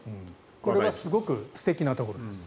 これはすごく素敵なところです。